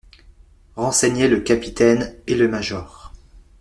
Renseignaient le capitaine et le major.